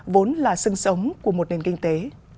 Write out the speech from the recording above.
vốn là sưng sống của một nền kinh tế